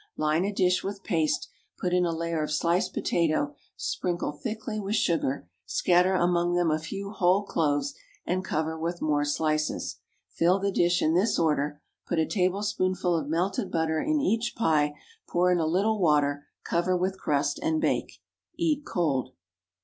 Line a dish with paste, put in a layer of sliced potato, sprinkle thickly with sugar, scatter among them a few whole cloves, and cover with more slices. Fill the dish in this order; put a tablespoonful of melted butter in each pie; pour in a little water; cover with crust, and bake. Eat cold.